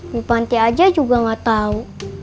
bupanti aja juga gak tau